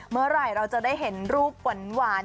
เมื่อไหร่เราจะได้เห็นรูปหวาน